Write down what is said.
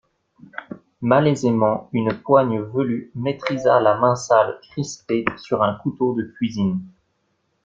Malaisément une poigne velue maîtrisa la main sale crispée sur un couteau de cuisine.